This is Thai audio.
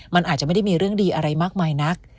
มันอาจจะไม่ได้มีเรื่องดีอะไรมากมายนัก